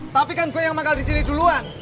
tapi kan gue yang manggal disini duluan